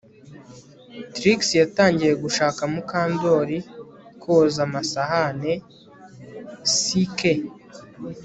Trix yitangiye gufasha Mukandoli koza amasahani CK